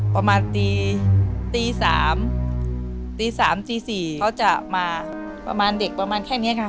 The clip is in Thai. ประมาณตีตีสามตีสามสี่สี่เขาจะมาประมาณเด็กประมาณแค่เนี้ยค่ะ